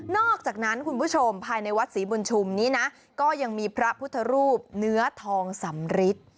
อกจากนั้นคุณผู้ชมภายในวัดศรีบุญชุมนี้นะก็ยังมีพระพุทธรูปเนื้อทองสำริท